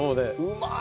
うまい。